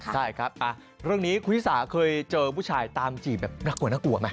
ใช่ครับเรื่องนี้คุณวิสาเคยเจอผู้ชายตามจีบแบบน่ากลัวน่ากลัวไหม